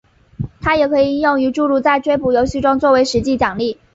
它也可以应用于诸如在追捕游戏中做为实际奖励。